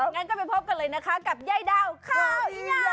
งั้นก็ไปพบกันเลยนะคะกับยายดาวข่าว